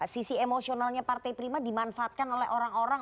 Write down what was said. sisi emosionalnya partai prima dimanfaatkan oleh orang orang